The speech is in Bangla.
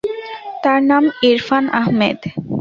তার নাম ইরফান আহমেদ।